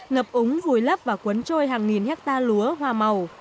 ngập úng vùi lấp và cuốn trôi hàng nghìn hectare lúa hoa màu